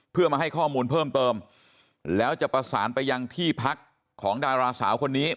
เพื่อมาให้ข้อมูลเพิ่มเติมแล้วจะประสานไปยังที่พักของดาราสาวคนนี้